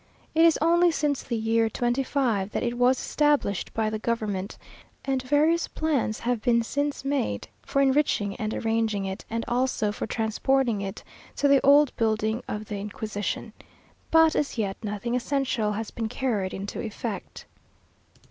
It is only since the year '25 that it was established by the government, and various plans have been since made for enriching and arranging it, and also for transporting it to the old building of the Inquisition. But as yet nothing essential has been carried into effect.